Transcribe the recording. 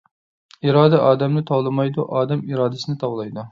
ئىرادە ئادەمنى تاۋلىمايدۇ، ئادەم ئىرادىسىنى تاۋلايدۇ!